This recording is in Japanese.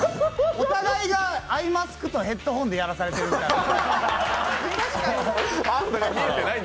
お互いがアイマスクとヘッドホンでやらされてるみたい。